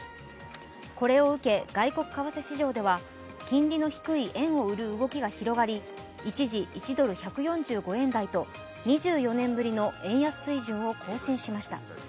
これを受け外国為替市場では金利の低い円を売る動きが広がり一時１ドル＝１４５円台と２４年ぶりの円安水準を更新しました。